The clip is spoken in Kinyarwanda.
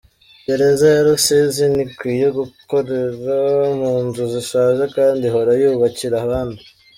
Gereza ya Rusizi ntikwiye gukorera mu nzu zishaje kandi ihora yubakira abandi